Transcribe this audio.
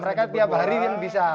mereka tiap hari kan bisa